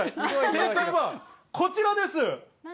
正解はこちらです。